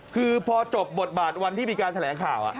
คือพอจบบทบาทวันที่มีการแถลงข่าว